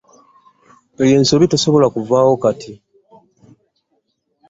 Eyo ensobi tesobola kuvaawo kati.